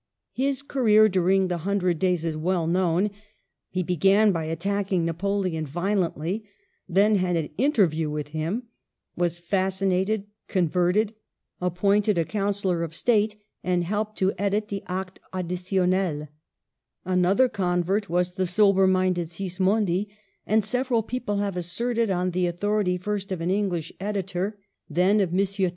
His career during the Hundred Days is well known. He began by attacking Napoleon violently, then had an interview with him, was fascinated, converted, appointed a coun cillor of state, and helped to edit the Acte Addi tionneL Another convert was the sober minded Sismondi, and several people have asserted, on the authority first of an English editor, and then 13 Digitized by VjOOQIC 194 MADAME DE STAEL. of M.